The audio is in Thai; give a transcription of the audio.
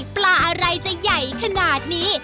ปลาอะไรจะใหญ่ขนาดนี้